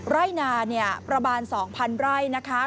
ไร่นาเนี่ยประบาล๒๐๐๐ไร่นะคะ